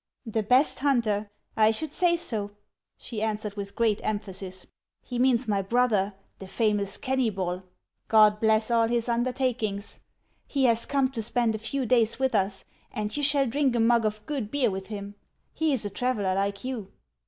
'•The best hunter! I should say so," she answered with great emphasis. " He means my brother, the famous Kennvbol. God bless all his undertakings ! He has come to spend a few days with us, and you shall drink a mug of good beer with him. He is a traveller like you."